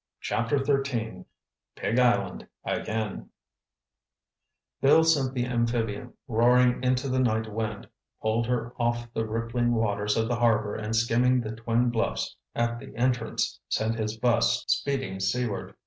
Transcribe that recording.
Chapter XIII PIG ISLAND AGAIN Bill sent the amphibian roaring into the night wind, pulled her off the rippling waters of the harbor and skimming the twin bluffs at the entrance, sent his bus speeding seaward.